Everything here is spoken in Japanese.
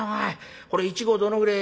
これ１合どのぐれえ？